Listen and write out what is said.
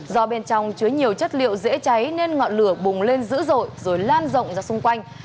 do bên trong chứa nhiều chất liệu dễ cháy nên ngọn lửa bùng lên dữ dội rồi lan rộng ra xung quanh